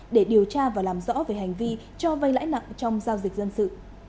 để điều tra và làm rõ về hành vi cho vay lãi nặng trong giao dịch dân sự